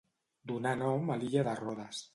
Donà nom a l'illa de Rodes.